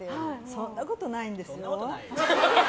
そんなことないんですよ。